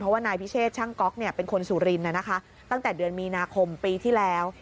ว่านายพิเชษช่างก๊อกเป็นคนสุรินทร์ตั้งแต่เดือนมีนาคมปีที่แล้ว